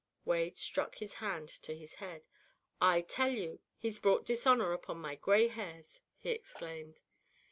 Wade struck his hand to his head. "I tell you, he's brought dishonour upon my gray hairs," he exclaimed.